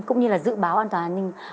cũng như là dự báo an toàn an ninh